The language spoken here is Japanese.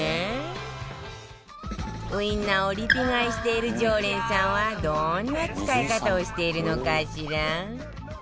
ウインナーをリピ買いしている常連さんはどんな使い方をしているのかしら？